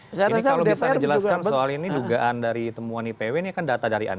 ini kalau bisa dijelaskan soal ini dugaan dari temuan ipw ini kan data dari anda